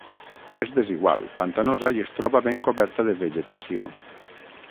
És desigual, pantanosa i es troba ben coberta de vegetació.